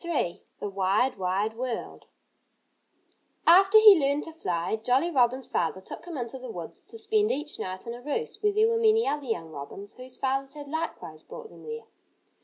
III THE WIDE, WIDE WORLD After he learned to fly, Jolly Robin's father took him into the woods to spend each night in a roost where there were many other young robins, whose fathers had likewise brought them there.